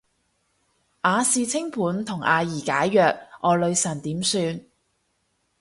亞視清盤同阿儀解約，我女神點算